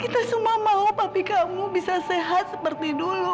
kita semua mau tapi kamu bisa sehat seperti dulu